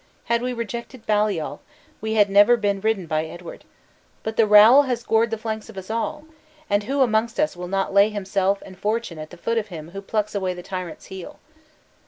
Had we rejected Baliol, we had never been ridden by Edward. But the rowel has gored the flanks of us all! and who amongst us will not lay himself and fortune at the foot of him who plucks away the tyrant's heel?"